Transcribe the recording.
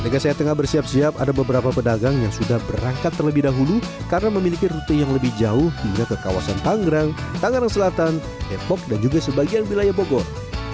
ketika saya tengah bersiap siap ada beberapa pedagang yang sudah berangkat terlebih dahulu karena memiliki rute yang lebih jauh hingga ke kawasan tanggrang tangerang selatan depok dan juga sebagian wilayah bogor